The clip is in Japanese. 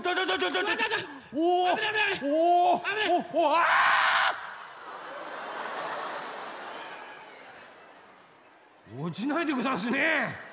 あ！おちないでござんすね。